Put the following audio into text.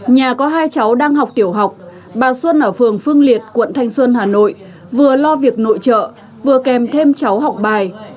nhà có hai cháu đang học tiểu học bà xuân ở phường phương liệt quận thanh xuân hà nội vừa lo việc nội trợ vừa kèm thêm cháu học bài